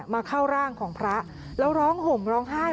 เข้าร่างของพระแล้วร้องห่มร้องไห้